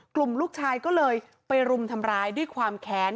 กลุ่มลูกชายก็เลยไปรุมทำร้ายด้วยความแค้น